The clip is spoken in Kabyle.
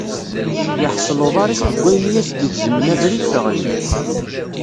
Yeḥṣel uḍar-is deg wayen i as-d-igezmen abrid teɣli.